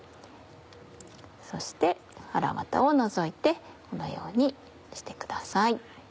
そして腹ワタを除いてこのようにしてください。